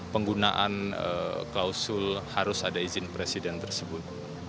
penggunaan klausul harus ada izin presiden tersebut